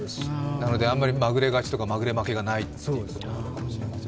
なのであまりまぐれ勝ちとかまぐれ負けがないということなのかもしれません。